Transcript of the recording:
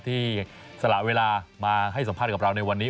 ที่สละเวลามาให้สัมภาษณ์กับเราในวันนี้